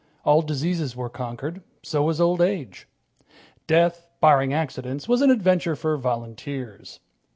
All diseases were conquered. So was old age. Death, barring accidents, was an adventure for volunteers.